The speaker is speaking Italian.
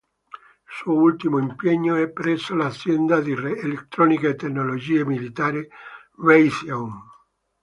Il suo ultimo impiego è presso l'azienda di elettronica e tecnologie militari Raytheon.